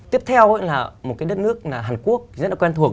tiếp theo là một cái đất nước hàn quốc rất là quen thuộc